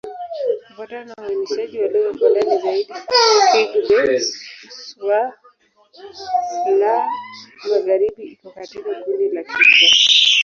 Kufuatana na uainishaji wa lugha kwa ndani zaidi, Kigbe-Xwla-Magharibi iko katika kundi la Kikwa.